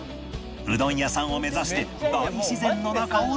うどん屋さんを目指して大自然の中を突き進む